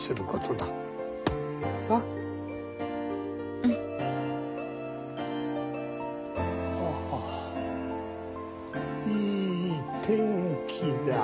うん。ああいい天気だ。